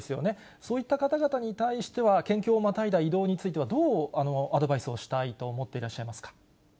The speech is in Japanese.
そういった方々に対しては、県境をまたいだ移動については、どうアドバイスをしたいと思っていらっしゃいますか。